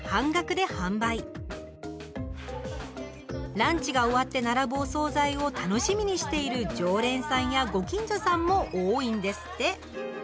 ランチが終わって並ぶお総菜を楽しみにしている常連さんやご近所さんも多いんですって。